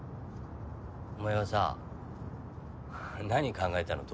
お前はさははっ何考えてたの？